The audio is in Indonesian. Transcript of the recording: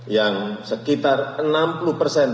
yang sekitar enam puluh persen